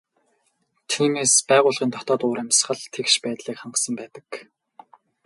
Тиймээс байгууллагын дотоод уур амьсгал тэгш байдлыг хангасан байдаг.